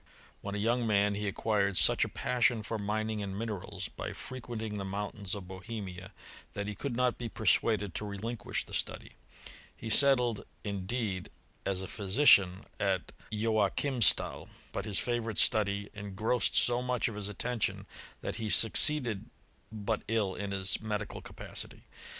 When a young man he acquired such a passion for mining and minerals, by frequenting the mountains of Bohemia, that he could not be persuaded to relinquish the study. He settled, indeed, as a phy sician, at Joachimstal; but his favourite study en grossed so much of his attention, that he succeeded but ill in his medical capacity.